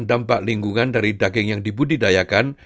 dampak lingkungan dari daging yang dibudidayakan